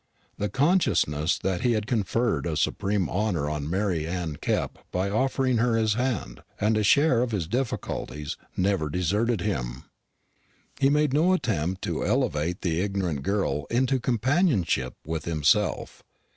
The consciousness that he had conferred a supreme honour on Mary Anne Kepp by offering her his hand, and a share of his difficulties, never deserted him. He made no attempt to elevate the ignorant girl into companionship with himself.